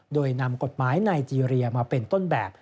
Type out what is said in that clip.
โดยนำกฎหมายไนเจรียมาเป็นต้นแบบ